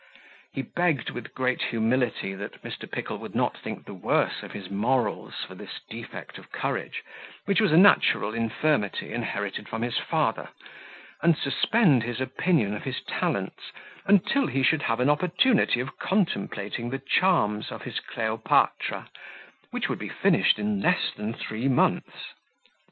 He begged with great humility, that Mr. Pickle would not think the worse of his morals for this defect of courage, which was a natural infirmity inherited from his father, and suspend his opinion of his talents, until he should have an opportunity of contemplating the charms of his Cleopatra, which would be finished in less than three months.